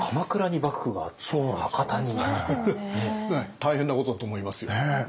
大変なことだと思いますよ。